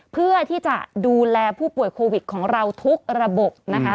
เพื่อที่จะดูแลผู้ป่วยโควิดของเราทุกระบบนะคะ